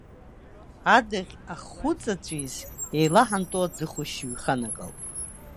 Адаӷь ахьхәыҵаҵәиз еилаҳанто аӡыхәашь ҩханагалт.